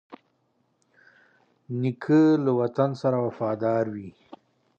نیکه له وطن سره وفادار وي.